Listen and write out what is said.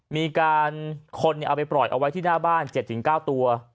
มีคนเอาไปปล่อยเอาไว้ที่หน้าบ้าน๗๙ตัว